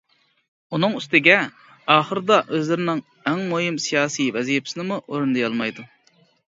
ئۇنىڭ ئۈستىگە، ئاخىرىدا ئۆزلىرىنىڭ ئەڭ مۇھىم سىياسىي ۋەزىپىسىنىمۇ ئورۇندىيالمايدۇ.